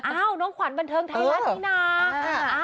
อ้าวน้องขวัญบันเทิงไทยแหละนี่นะ